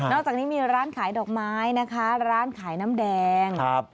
อกจากนี้มีร้านขายดอกไม้นะคะร้านขายน้ำแดงครับ